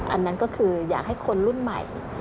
อันนั้นก็คืออยากให้คนรุ่นใหม่